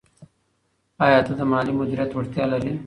آیا ته د مالي مدیریت وړتیا لرې؟